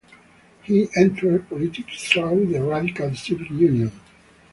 He entered politics through the Radical Civic Union.